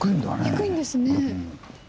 低いんですね。